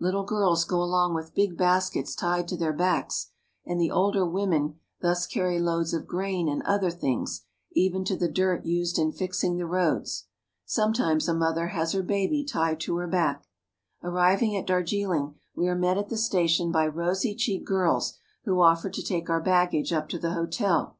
Little girls go 'along with big baskets tied to their backs, and the older women thus carry loads of grain and other things, even to the dirt used in fixing the roads. Sometimes a mother has her baby tied to her back. Arriving at Darjiling, we are met at the station by rosy cheeked girls who offer to take our baggage up to the hotel.